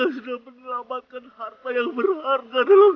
aku sudah meneramatkan harta yang berharga dalam hidupku